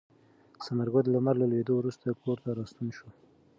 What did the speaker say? ثمر ګل د لمر له لوېدو وروسته کور ته راستون شو.